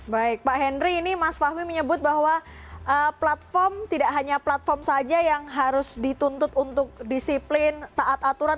baik pak henry ini mas fahmi menyebut bahwa platform tidak hanya platform saja yang harus dituntut untuk disiplin taat aturan